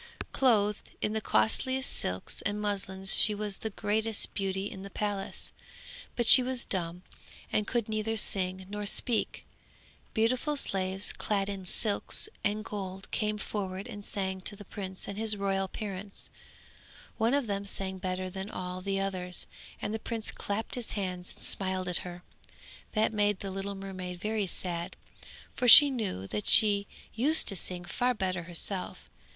Clothed in the costliest silks and muslins she was the greatest beauty in the palace, but she was dumb, and could neither sing nor speak. Beautiful slaves clad in silks and gold came forward and sang to the prince and his royal parents; one of them sang better than all the others, and the prince clapped his hands and smiled at her; that made the little mermaid very sad, for she knew that she used to sing far better herself.